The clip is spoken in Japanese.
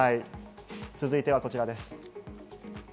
続いてはこちらです。